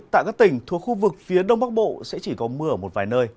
tại các tỉnh thuộc khu vực phía đông bắc bộ sẽ chỉ có mưa ở một vài nơi